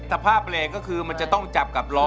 สภาพเหล็กก็คือมันจะต้องจับกับล้อ